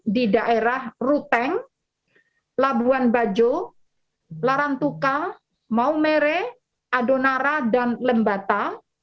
di daerah ruteng labuan bajo larantuka maumere adonara dan lembata